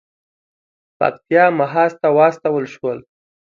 پکتیا محاذ ته واستول شول.